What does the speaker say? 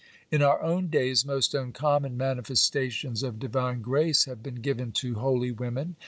In our own days most uncommon manifestations of divine grace have been given to holy women.